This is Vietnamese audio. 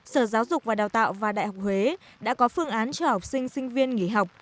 sở giáo dục và đào tạo và đại học huế đã có phương án cho học sinh sinh viên nghỉ học